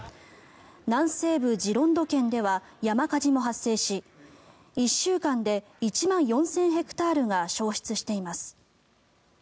南西部ジロンド県では山火事も発生し１週間で１万４０００ヘクタールが焼失しています。